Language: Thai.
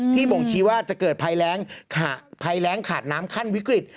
ที่ผมชี้ว่าจะเกิดพายแร้งขาดน้ำคั่นวิกฤต